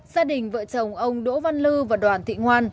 gia đình vợ chồng ông đỗ văn lư và đoàn thị ngoan